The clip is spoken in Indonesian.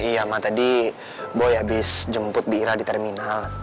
iya ma tadi boy abis jemput bira di terminal